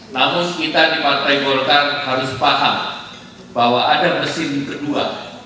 namun kita di partai golkar harus paham bahwa ada mesin kedua